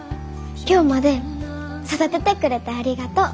今日まで育ててくれてありがとう。